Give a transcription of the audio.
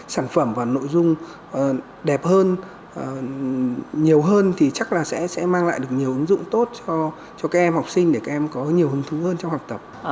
sản phẩm và nội dung đẹp hơn nhiều hơn thì chắc là sẽ mang lại được nhiều ứng dụng tốt cho các em học sinh để các em có nhiều hứng thú hơn trong học tập